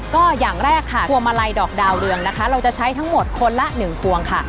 ก็อย่างแรกค่ะพวงมาลัยดอกดาวเรืองนะคะเราจะใช้ทั้งหมดคนละ๑พวงค่ะ